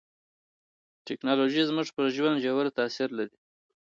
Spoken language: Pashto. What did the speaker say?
ټکنالوژي زموږ پر ژوند ژور تاثیر لري.